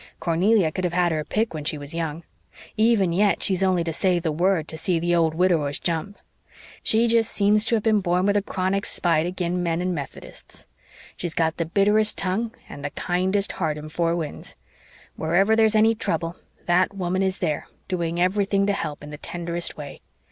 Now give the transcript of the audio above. "Cornelia could have had her pick when she was young. Even yet she's only to say the word to see the old widowers jump. She jest seems to have been born with a sort of chronic spite agin men and Methodists. She's got the bitterest tongue and the kindest heart in Four Winds. Wherever there's any trouble, that woman is there, doing everything to help in the tenderest way.